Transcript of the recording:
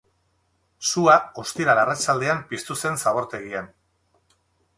Sua ostiral arratsaldean piztu zen zabortegian.